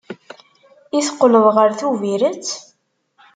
I teqqleḍ ɣer Tubiret?